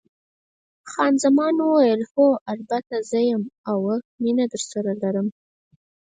خان زمان وویل: هو، البته زه یم، اوه، مینه درسره لرم.